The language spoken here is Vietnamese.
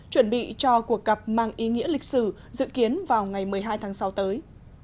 chuẩn bị cho cuộc gặp mang ý nghĩa lịch sử dự kiến vào ngày một mươi hai tháng sáu tới